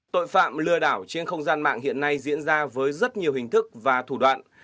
tội phạm lừa đảo trên không gian mạng hiện nay diễn ra với rất nhiều hình thức và thủ đoạn